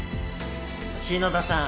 篠田さん